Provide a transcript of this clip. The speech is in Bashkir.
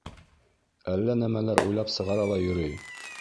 Әллә нәмәләр уйлап сығара ла йөрөй.